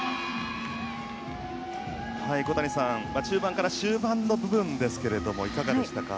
小谷さん、中盤から終盤の部分いかがでしたか？